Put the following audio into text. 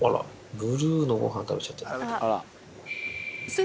ブルーのごはん食べちゃってる。